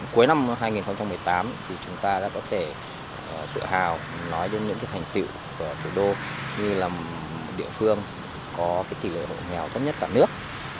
cuối năm hai nghìn một mươi tám thì chúng ta đã có thể tự hào nói đến những thành tiệu của thủ đô như là địa phương có tỷ lệ hộ nghèo thấp nhất cả nước